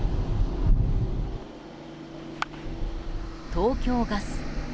東京ガス。